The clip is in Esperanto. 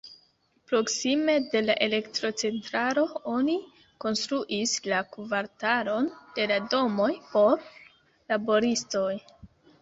Proksime de la elektrocentralo oni konstruis la kvartalon de la domoj por laboristoj.